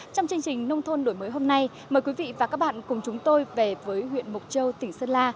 trong chương trình nông thôn đổi mới hôm nay mời quý vị và các bạn cùng chúng tôi về với huyện mộc châu tỉnh sơn la